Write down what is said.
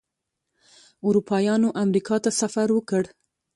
اروپایانو امریکا ته سفر وکړ.